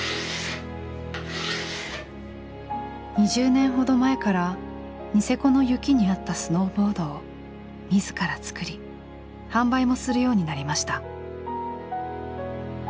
２０年ほど前からニセコの雪に合ったスノーボードを自ら作り販売もするようになりました。